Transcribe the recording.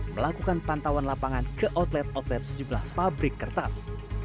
melakukan pantauan lapangan ke outlet outlet sejumlah pabrik kertas